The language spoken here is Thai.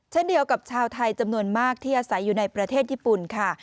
เช่นเดียวกับชาวไทยจำนวนมากที่อาศัยอยู่ในประเทศญี่ปุ่นค่ะ